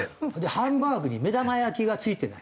ハンバーグに目玉焼きが付いてない。